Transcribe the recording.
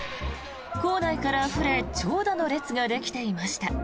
構内からあふれ長蛇の列ができていました。